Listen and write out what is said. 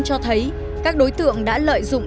cho thấy các đối tượng đã lợi dụng